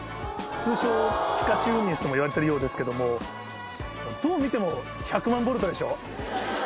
通称ピカチュウウミウシともいわれてるようですけどもどう見ても１００万ボルトでしょ。